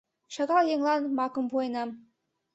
Шагал еҥлан макым пуэнам.